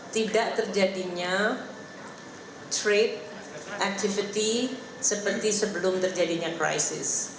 tidak terjadinya trade activity seperti sebelum terjadinya krisis